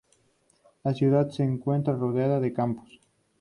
La ciudad se encuentra rodeada de campos.